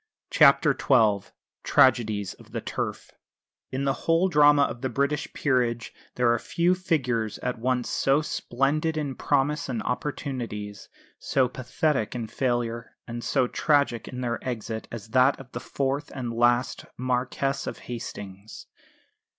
CHAPTER XII TRAGEDIES OF THE TURF In the whole drama of the British Peerage there are few figures at once so splendid in promise and opportunities, so pathetic in failure and so tragic in their exit as that of the fourth and last Marquess of Hastings.